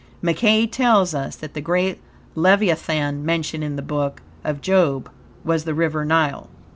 Mackey tells us that the great leviathan mentioned in the Book of job was the river Nile.